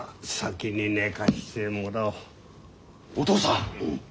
お父さん！